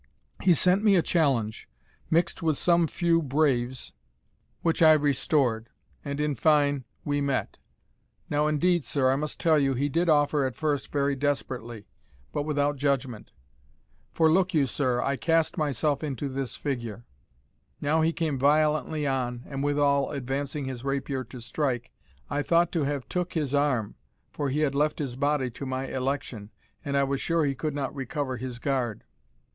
He sent me a challenge, mixt with some few braves, which I restored; and, in fine, we met. Now indeed, sir, I must tell you, he did offer at first very desperately, but without judgment; for look you, sir, I cast myself into this figure; now he came violently on, and withal advancing his rapier to strike, I thought to have took his arm, for he had left his body to my election, and I was sure he could not recover his guard.